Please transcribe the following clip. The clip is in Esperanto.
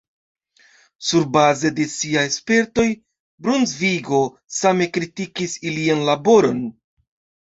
Surbaze de siaj spertoj, Brunsvigo same kritikis ilian laboron.